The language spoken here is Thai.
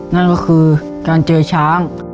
นั่นก็คือการเจอช้าง